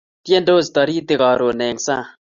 Tyendos taritik karon eng' sang'.